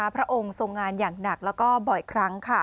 พระองค์ทรงงานอย่างหนักแล้วก็บ่อยครั้งค่ะ